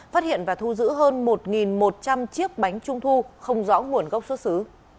phát hiện và thu giữ hơn một một trăm linh chiếc bánh trung thu không rõ nguồn gốc xuất xứ